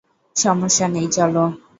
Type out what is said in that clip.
সমস্যা নেই, চলো।